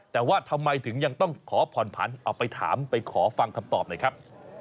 แต่ว่าทำไมถึงยังต้องขอผ่อนผันเอาไปถามไปขอฟังคำตอบหน่อยครับ